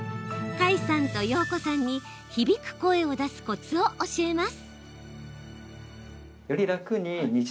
花衣さんと曜子さんに響く声を出すコツを教えます。